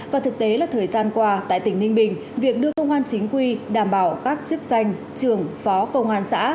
và thực tế là thời gian qua tại tỉnh ninh bình việc đưa công an chính quy đảm bảo các chức danh trưởng phó công an xã